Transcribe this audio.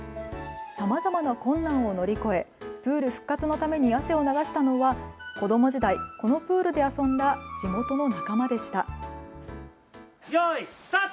さまざまな困難を乗り越えプール復活のために汗を流したのは子ども時代、このプールで遊んだ地元の仲間でした。